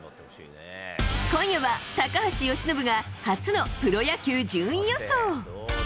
今夜は高橋由伸が初のプロ野球順位予想！